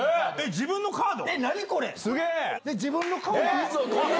自分のカード？